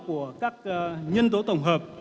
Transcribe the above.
của các nhân tố tổng hợp